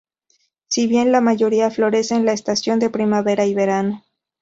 Si bien la mayoría florece en la estación de primavera y verano.